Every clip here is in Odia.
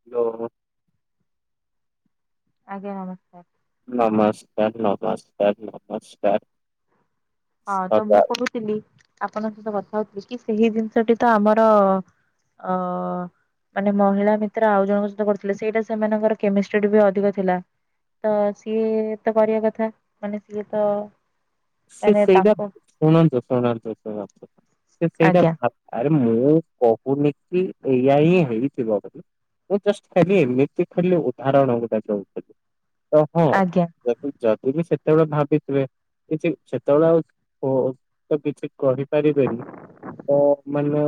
[inaudible] ଆଜ୍ଞା ନମସ୍କାର। ନମସ୍କାର ନମସ୍କାର ନମସ୍କାର। ହଁ ତ ମୁଁ ସଦା କହୁଥିଲି ଆପଣଙ୍କ ସହିତ କଥା ହଉଥିଲି କି ସେଇ ଜିନିଷଟି ତ ଆମର ଅ ମାନେ ମହିଳା ମିତ୍ର ଆଉ ଜଣଙ୍କ ସହିତ କରିଥିଲେ ସେଇଟା ସେମାନଙ୍କର କେମିଷ୍ଟ୍ରି ବି ଅଧିକ ଥିଲା। ତ ସିଏ ତ କରିବା କଥା ମାନେ ସିଏ ତ ସେ ମାନେ ସେଇଟା ତାଙ୍କ ଶୁଣନ୍ତୁ ଶୁଣନ୍ତୁ ଶୁଣନ୍ତୁ ସେ ସେଇଟା ଆଜ୍ଞା ଭା ଆରେ ମୁଁ କହୁନକି ଏଇଆା ହିଁ ହେଇଥିବ ବୋଲିି। ମୁଁ ଜଷ୍ଟ ଖାଲି ଏମିତି ଖାଲି ଉଦାହରଣ ଗୁଟେ ଦଉଥିଲି। ତ ହଁ ଆଜ୍ଞା ଯଦି ଯଦି ବି ସେତେବେଳେ ଭାବିଥିବେ। କିଛି ସେତେବେଳେ ଆଉ ତ କିଛି କରିପାରିବେନି। ତ ମାନେ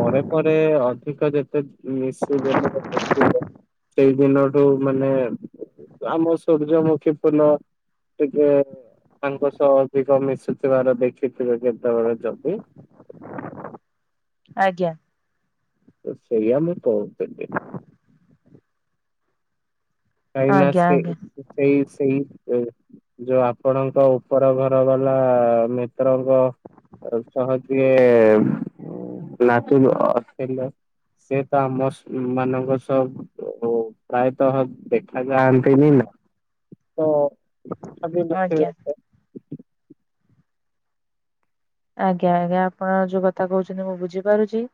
ପରେ ପରେ ଅଧିକ ଯେତେ [unintelligible] ସେଇ ଦିନଠୁ ମାନେ ଆମ ସୂର୍ଯ୍ୟମୁଖୀ ଫୁଲ ଟିକେ ତାଙ୍କ ସହ ଅଧିକ ମିଶୁଥିବାର ଦେଖିଥିବେ କେତେବେଳେ ଯଦି ଆଜ୍ଞା। ତ ସେଇୟା ମୁଁ କହୁଥିଲି। କାହିଁକି ନା ଆଜ୍ଞା ସେ ଆଜ୍ଞା ସେଇ ସେଇ ଯୋଉ ଆପଣଙ୍କ ଉପର ଘର ବାଲା ମିତ୍ରଙ୍କ ଉପର ଯିଏ ନାଚୁର ଅଷ୍ଟ୍ରେଲିଆ ସେ ତ ଆମମାନଙ୍କ ସହ ପ୍ରାୟତଃ ଦେଖା ଯାଆନ୍ତିନି ନା ତ ଆଜ୍ଞା [unintelligible] ଆଜ୍ଞା ଆଜ୍ଞା ଆପଣ ଯୋଉ କଥା କହୁଛନ୍ତି ମୁଁ ବୁଝିପାରୁଛି।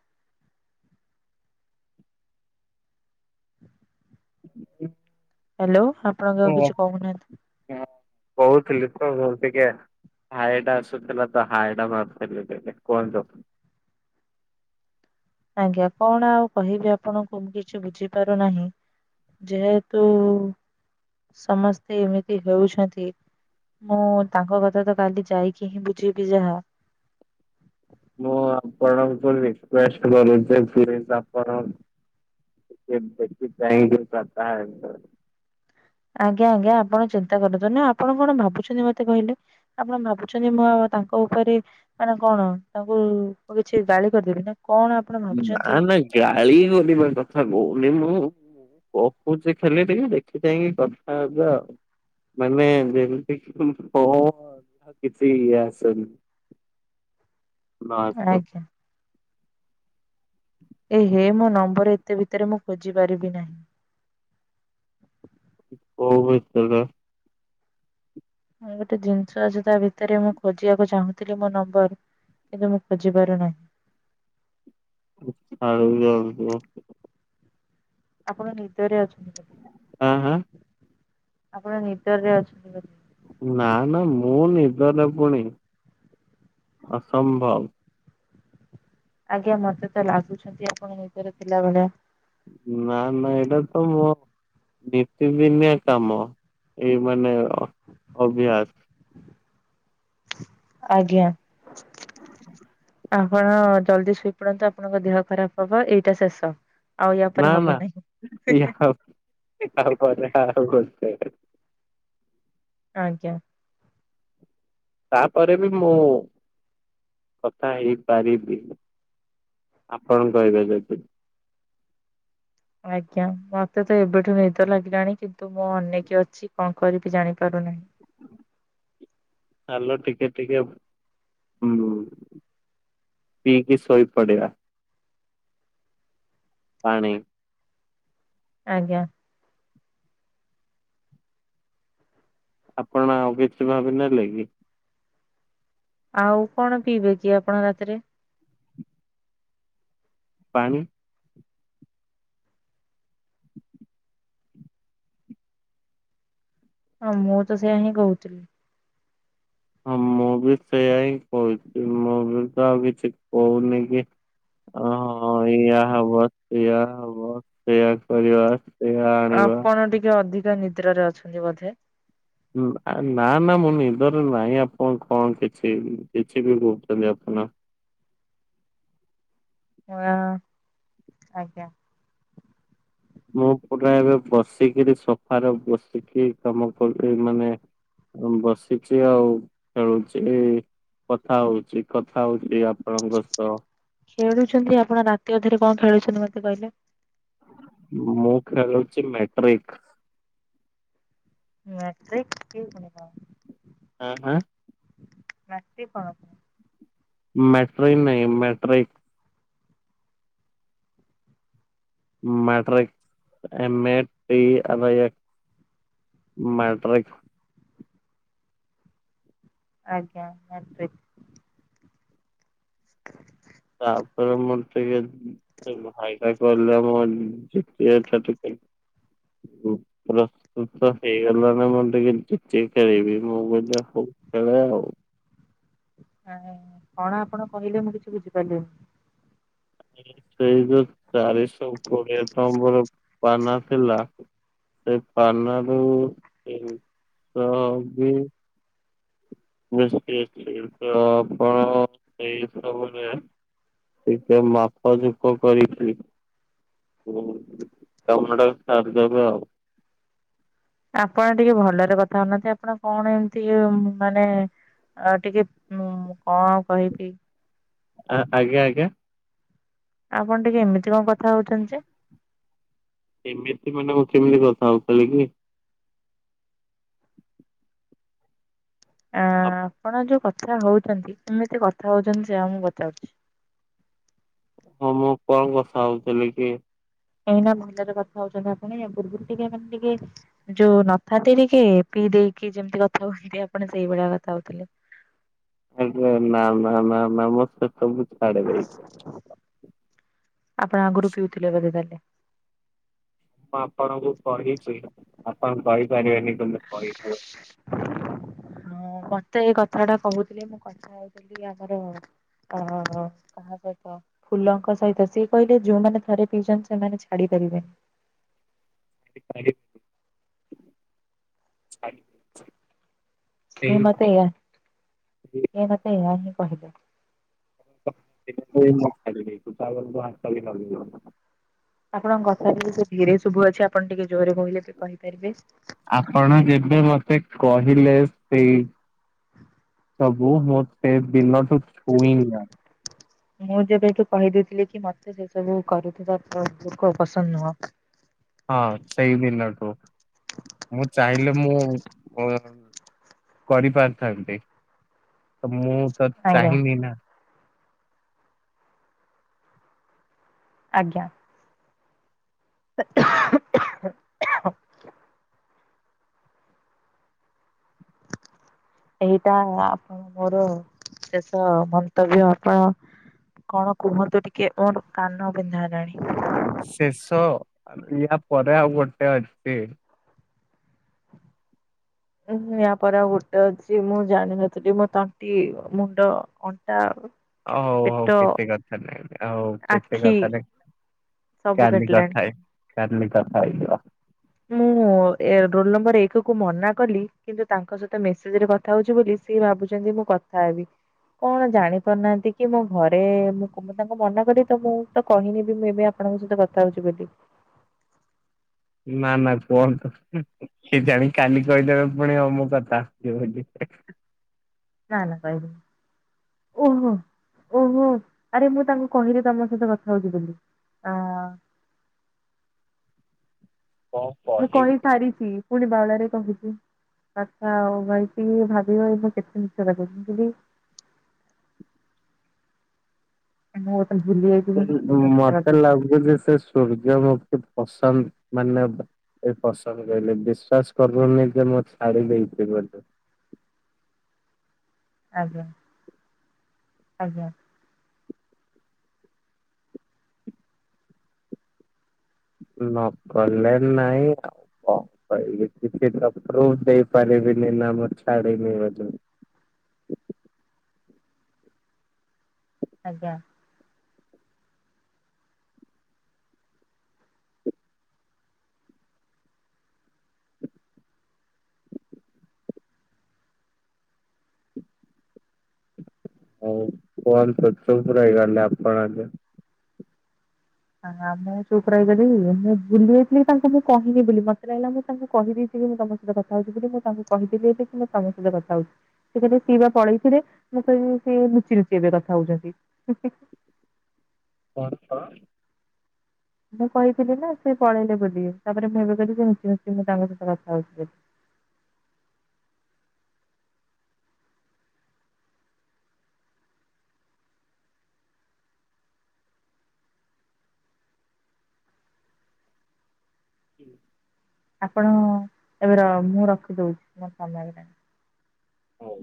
[inaudible] [inaudible] ହାଲୋ ଆପଣଙ୍କ ଆ ଉ କିଛି କହୁନାହାନ୍ତି? କହୁଥିଲି ତ ଟିକେ ହାଏଟା ଆସୁଥିଲା ତ ହାଏଟା ମାରୁଥିଲି ଟିକେ କୁହନ୍ତୁ। ଆଜ୍ଞା କଣ ଆଉ କହିବି ଆପଣଙ୍କୁ ମୁ କିଛି ବୁଝିପାରୁନାହିଁ। ଯେହେତୁ ସମସ୍ତେ ଏମିତି ହେଉଛନ୍ତି। ମୁଁ ତାଙ୍କ କଥା ତ କାଲି ଯାଇକି ହିଁ ବୁଝିବି ଯାହା। ମୁଁ ଆପଣଙ୍କୁ ରିକୁଏଷ୍ଟ କରୁଛି ପ୍ଲିଜ ଆପଣ ଟିକେ ଦେଖି ଚାହିଁ କିରୀ [unintelligible] ଆଜ୍ଞା ଆଜ୍ଞା ଆପଣ ଚିନ୍ତା କରନ୍ତୁ ନି ଆପଣ କଣ ଭାବୁଛନ୍ତି ମତେ କହିଲେ? ଆପଣ ଭାବୁଛନ୍ତି ମୁଁ ତାଙ୍କ ଉପରେ ମାନେ କଣ ତାଙ୍କୁ କିଛି ଗାଳି କରିଦେବି ନା କଣ? ଆପଣ ନା ଭାବୁଛନ୍ତି? ନା ଗାଳି କରିବା କଥା କହୁନି ମୁଁ କହୁଛି ଖାଲି ଟିକେ ଦେଖି ଚାଇଁକି କଥା ହେବେ ଆଉ। ମାନେ ଯେମିତି କି କହୁ କିଛି ଆସେନି। [inaudible] ବାସ୍ ତୋ ଆଜ୍ଞା ଏ ହେ ମୋ ନମ୍ବର ଏତେ ଭିତରେ ମୁଁ ଖୋଜି ପାରିବି ନାହିଁ। କଉ ଭିତରେ? ଗୋଟେ ଜିନିଷ ଅଛି ତା ଭିତରେ ମୁଁ ଖୋଜିବାକୁ ଚାହୁଁଥିଲି ମୋ ନମ୍ବର। କିନ୍ତୁ ମୁଁ ଖୋଜି ପାରୁନାହିଁ। [unintelligible] ଆପଣ ନିଦରେ ଅଛନ୍ତି। ବୋଧେ ଆଁ ଆଁ ଆପଣ ନିଦରେ ଅଛନ୍ତି ବୋଧେ। ନା ନା ମୁଁ ନିଦରେ ପୁଣି ଅସମ୍ଭବ। ଆଜ୍ଞା ମତେ ତ ଲାଗୁଛନ୍ତି ଆପଣ ନିଦର ଥିଲାଭଳିଆ। ନା ନା ଏଇଟା ତ ମୋ ନୀତି ଦିନିଆ କାମ ଏଇ ମାନେ ଅଭ୍ୟାସ। ଆଜ୍ଞା। ଆପଣ ଜଲଦି ଶୋଇ ପଡନ୍ତୁ ଆପଣଙ୍କ ଦେହ ଖରାପ ହବ ଏଇଟା ଶେଷ। ଆଉ ୟା ପରେ ନା ହବ ନା ନାହିଁ [unintelligible] ଆଜ୍ଞା। ତାପରେ ବି ମୁଁ କଥା ହେଇପାରିବି। ଆପଣ କହିବେ ଯଦି ଆଜ୍ଞା ମତେ ତ ଏବେଠୁ ନିଦ ଲାଗିଲାଣି କିନ୍ତୁ ମୁଁ ଅନେଇକି ଅଛି କଣ କରିବି ଜାଣିପାରୁନି। ଚାଲ ଟିକେ ଟିକେ ହୁଁ। ପିଇକି ଶୋଇ ପଡିବା। ପାଣି। ଆଜ୍ଞା। ଆପଣ ଆଉ କିଛି ଭାବି ନେଲେ କି? ଆଉ କଣ ପିଇବେ କି ଆପଣ ରାତିରେ? ପାଣି। ହଁ ମୁଁ ତ ସେୟଆ ହିଁ କହୁଥିଲି। ହଁ ମୁଁ ବି ସେଇୟା ହିଁ କହୁଛି ମୁଁ ବି ତ ଆଉ କିଛି କହୁନି କି। ଓହୋ ଇଆ ହବ ସେଇଆ ହବ ସେଇଆ କରିବା। ସେଇଆ ଆଣିବା ଆପଣ ଟିକେ ଅଧିକା ନିଦ୍ରାରେ ଅଛନ୍ତି ବୋଧେ? ନା ନା ମୁଁ ନିଦରେ ନାହିଁ ଆପଣ କଣ କିଛି କିଛି ବି କହୁଛନ୍ତି ଆପଣ? ହଁ ଆଜ୍ଞା। ମୁଁ ପୁରା ଏବେ ବସିକରି ସଫାରେ ବସିକି କାମ କଲ ମାନେ ବସିଛି ଆଉ ଖେଳୁଛି କଥା ହଉଛି କଥା ହଉଛି। ଆପଣଙ୍କ ସହ। ଖେଳୁଛନ୍ତି ଆପଣ ରାତି ଅଧରେ କଣ ଖେଳୁଛନ୍ତି ମତେ କହିଲେ? ମୁଁ ଖେଳୁଛି ମାଟ୍ରିକ୍ [unintelligible] ହଁ ହଁ। [unintelligible] ପଣ ମେଟ୍ରୋ ନହିଁ metro matric M A T ଆ। ମେଟ୍ରକି। ଆଜ୍ଞା ମେଟିକ। ତାପରେ ମୁଁ ଟିକେ ଭାଇଦା କଲେ ମର ଯେଛ ଟକେ ଉଁ ପ୍ରସ୍ତୁତ ହେଇଗଲା ନା ମୁଁ ଟିକେ ଯେକି ଖେଳିବି ମୁଁ [unintelligible] ହଉ। ସେବେ ଆଉ। ଆ କଣ ଆପଣ କହିଲେ ମୁଁ କିଛି ବୁଝିପାରିଲିନି। ସେଇ ଯୋଉ ଚାରିଶହ କୋଡିଏ ନମ୍ବର ପାନା ଥିଲା। ସେ ପାନରୁ ତିନିଶହ ବି ନିଶ ତ ଏଇ ସମୟ ରେ ଟିକେ ମାପ ଯୁପ କରିଛି। କାମଟା ସାରିଦେବେ ଆଉ। ଆପଣ ଟିକେ ଭଲରେ କଥା ହଉନାହାନ୍ତି ଆପଣ କଣ ଏମିତି ମାନେ ଆଉ ଟିକେଁ କଣ କହିବି ଆ ଆଜ୍ଞା ଆଜ୍ଞା। ଆପଣ ଟିକେ ଏମିତି କଣ କଥା ହଉଛନ୍ତି ଯେ ଏମିତି ମାନେ ମୁଁ କେମିତି କଥା ହଉ ଥିଲି କି? ଆ ଆପଣ ଯୋଉ କଥା ହଉଛନ୍ତି କେମିତି କଥା ହଉଛନ୍ତି ସେଇୟା ମୁଁ ପଚାରୁଛି? ହଁ ମୁଁ କଣ କଥା ହଉଥିଲି କି? ଏ [unintelligible] କଥା ହଉଛନ୍ତି ଆପଣ ପୂର୍ବରୁ ଟିକେ ମାନେ ଟିକେ ଯୋଉ ନଥାତିନିକି ଟିକେ ପିଇ ଦେଇକି ଯେମିତି କଥା କ ଆପଣ ସେଇଭଳିଆ କଥା ହଉଥିଲେ। ଆଜ୍ଞା ନା ନା ନା ନା ମୋତ ତ ଆପଣ ଆଗରୁ ପିଉ ଥିଲେ ବଧେ ତାହାଲେ? ମୁଁ ଆପଣଙ୍କୁ କହିଛି ଆପଣ କହିପାରିବେନି ତମେ କହିଛ ହ ମତେ ଏଇ କଥାଟା କହୁଥିଲି ମୁଁ କଥା ହେଉଥିଲି ଆମର ଓହୋ ହୋ କାହା ସହିତ ଫୁଲଙ୍କ ସହିତ ସିଏ କହିଲେ ଯୋଉମାନେ ଥରେ ପିଇଛନ୍ତି ସେମାନେ ଛାଡି ପାରିବେନି। ଛାଡ଼ି ସିଏ ମତେ ଏୟା ସିଏ ମତେ ଏହା ହିଁ କହିଲେ। [unintelligible] ହାତ [unintelligible] ଆପଣଙ୍କ କଥା ଟିକେ ସେ ଧୀରେ ଶୁଭୁ ଅଛି ଆପଣ ଟିକେ ଜୋରରେ କହିଲେ ବି କହିପାରିବେ। ଆପଣ ଯେବେ ମତେ କହିଲେ ସେଇ ସବୁ ମୁଁ ସେ ଦୀନଠୁ ଛୁଇଁନି ଆଉ। ମୁଁ ଯେବେଠୁ କହିଦେଇଥିଲି କି ମତେ ସେ ସବୁ କରୁଥିବା ପୁଅକୁ ବିଲକୁଲ୍ ପସନ୍ଦ ନୁହଁ। ହଁ ସେଇ ଦିନଠୁ ମୁଁ ଚାହିଁଲେ ମୁଁ କରିପାରିଥାନ୍ତି ତ ମୁଁ ତ ଆଜ୍ଞା ଚାହିଁନି ନା। ଆଜ୍ଞା। [unintelligible] ଏଇଟା ଆମର ମୋର ଶେଷ ମନ୍ତବ୍ୟ ଆପଣ କଣ କୁହନ୍ତୁ ଟିକେ ମୋର କାନ ବିନ୍ଧା ହେଲାଣି। ଶେଷ ୟା ପରେ ଆଉ ଗୋଟେ ଅଛି। ଉ ୟା ପରେ ଆଉ ଗୋଟେ ଅଛି ମୁଁ ଜାଣିନଥିଲି ମୋ ତଣ୍ଟି ମୁଣ୍ଡ ଅଣ୍ଟା ହଉ ପେଟ ହଉ କିଛି କଥା ନାଇଁ ହଉ କିଛି ଆଖି କଥା ନାଇଁ। ସବୁ କାଲିି କାଟିଲାଣି। କଥା ହେ କାଲି ହେଇଯିବା। ମୁଁ ଏ ରୋଲ ନମ୍ବର ଏକ କୁ ମନା କଲି କିନ୍ତୁ ତାଙ୍କ ସହିତ ମେସେଜରେ କଥା କଥାହଉଛି ବୋଲି ସିଏ ଭାବୁଛନ୍ତି ମୁଁ କଥା ହେବି। କଣ ଜାଣିପାରୁନାହାନ୍ତି କି ମୋ ଘରେ ମୁଁ ତାଙ୍କୁ ମନା କରି ତ ମୁଁ ତ କହିନି ବି ମୁଁ ଏବେ ଆ ଆପଣଙ୍କ ସହିତ କଥା ହଉଛି ବୋଲି। ନା ନା କୁହନ୍ତୁନି ହିଁ ହିଁ। କେଜାଣି କାଲି କହିଦେବେ ପୁଣି ହଁ ମୁଁ କଥାହଉଛି ବୋଲି। ନା ନା କହିବିନି। ଓହୋ ଓହୋ ଆରେ ମୁଁ ତାଙ୍କୁ କହିଲି ତମେ ମୋ ସହିତ କଥା ହଉଛ ବୋଲି। ଅ ମୁଁ କଣ କହି ସାରିଛି। ପୁଣି ବାଉଳାରେ କହିଛି କଥା ଆଉ ଭାବିକି ଭାବିବ ମୁଁ କେତେ ମିଛ କଥା କହୁଛି। ମୁଁ ବର୍ତ୍ତମାନ ଭୁଲିଯାଇଛି। ଆକଚୁଆଲି ମତେ ଲାଗୁଛି ଯେ ସେ ସୂର୍ଯ୍ୟମୁଖୀ ପସନ୍ଦ ମାନେ ଏ ପସନ୍ଦ କହିଲେ ବିଶ୍ଵାସ କରିବୁନି ଯେ ମୁ ଛାଡି ଦେଇଛି ବୋଲି। ଆଜ୍ଞା ଆଜ୍ଞା। ନ କଲେ ନାଇଁ ଆଉ। କଣ କହିବି କିଛି ତ ପ୍ରୂଫ ଦେଇପାରିବିନି ନା ଛାଡିଲି ବୋଲି। ଆଜ୍ଞା। ହଉ କଣ ଚୁପ ହେଇଗଲେ ଆପଣ ଯେ ହ ହ ମୁଁ ଚୁପ ରହିଗଲି ମୁଁ ଭୁଲି ଯାଇଥିଲି କି ତାଙ୍କୁ ମୁଁ କହିନି ବୋଲି ମତେ ଲାଗିଲା ମୁଁ ତାଙ୍କୁ କହିଦେଇଛି ବୋଲି ମୁଁ ତ ତମ ସହ କଥା ହଉଛି ବୋଲି ମୁଁ ତାଙ୍କୁ କହିଦେଲି ଏବେ କି ମୁଁ ତମ ସହିତ କଥା ହଉଛି। ସେ କହିବେ ସିଏ ବା ପଳେଇଚିରେ ମୁଁ କହିଲି ସେ ଏବେ ଲୁଚି ଲୁଚି କଥା ହଉଛନ୍ତି। କଣ କ ମୁଁ କହିଥିଲି ନା ସେ ପଳେଇଲେ ବୋଲି ତାପରେ ମୁଁ ଏବେ କହିଲି ଯେ ମୁଁ ଲୁଚି ଲୁଚି ମୁଁ ତାଙ୍କ ସହିତ କଥା ହଉଛି ବୋଲି। ହୁଁ ଆପଣ ଏବେ ମୁଁ ର ରଖିଦଉଛି ମୋ ସମୟ ହେଇଗଲାଣି। ହଉ।